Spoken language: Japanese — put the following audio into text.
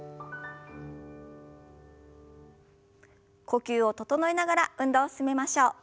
呼吸を整えながら運動を進めましょう。